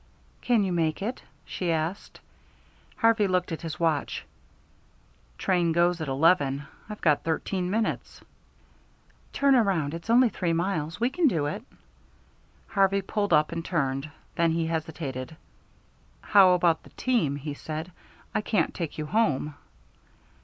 "Can you make it?" she asked. Harvey looked at his watch. "Train goes at eleven. I've got thirteen minutes." "Turn around. It's only three miles. We can do it." Harvey pulled up and turned. Then he hesitated. "How about the team?" he said; "I can't take you home."